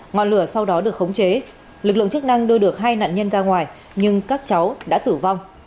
ngọn lửa sau đó được khống chế lực lượng chức năng đưa được hai nạn nhân ra ngoài nhưng các cháu đã tử vong